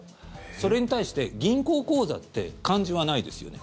それに対して、銀行口座って漢字はないですよね。